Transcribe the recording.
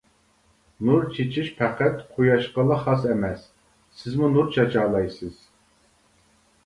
نۇر چېچىش پەقەت قۇياشقىلا خاس ئەمەس، سىزمۇ نۇر چاچالايسىز.